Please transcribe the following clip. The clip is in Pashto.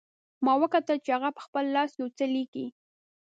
ما وکتل چې هغه په خپل لاس یو څه لیکي